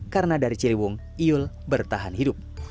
karena dari ciliwung iul bertahan hidup